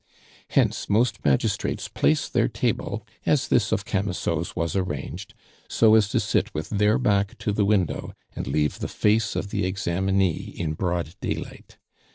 Hence most magistrates place their table, as this of Camusot's was arranged, so as to sit with their back to the window and leave the face of the examinee in broad daylight.